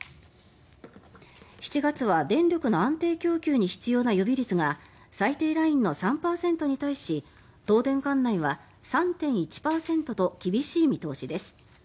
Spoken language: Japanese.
７月は電力の安定供給に必要な予備率が最低ラインの３％に対し東電管内は３．１％と厳しい見通しです。